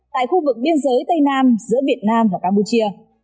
tại khu vực biên giới tây nam giữa việt nam và campuchia